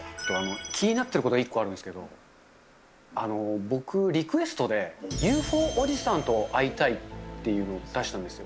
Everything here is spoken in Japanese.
気になっていることが１個あるんですけど、僕、リクエストで、ＵＦＯおじさんと会いたいっていうのを出したんですよ。